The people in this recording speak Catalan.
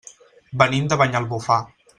Venim de Banyalbufar.